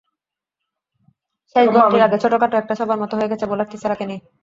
শেষ বলটির আগে ছোটখাটো একটা সভার মতো হয়ে গেছে বোলার থিসারাকে নিয়ে।